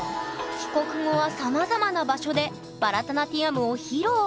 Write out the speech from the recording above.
帰国後はさまざまな場所でバラタナティヤムを披露。